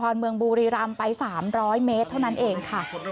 เมืองบุรีรำไป๓๐๐เมตรเท่านั้นเองค่ะ